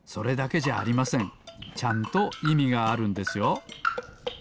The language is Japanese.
ちゃんといみがあるんですよ。